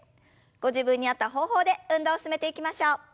ご自分に合った方法で運動を進めていきましょう。